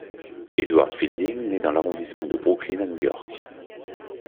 Edward Fielding né dans l'arrondissement de Brooklyn à New York.